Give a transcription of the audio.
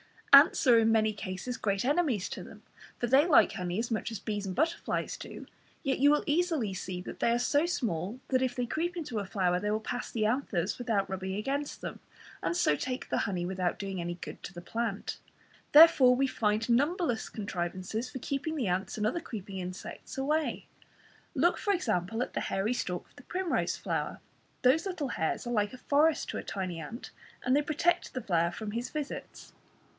Ants are in many cases great enemies to them, for they like honey as much as bees and butterflies do, yet you will easily see that they are so small that if they creep into a flower they pass the anthers without rubbing against them, and so take the honey without doing any good to the plant. Therefore we find numberless contrivances for keeping the ants and other creeping insects away. Look for example at the hairy stalk of the primrose flower; those little hairs are like a forest to a tiny ant, and they protect the flower from his visits.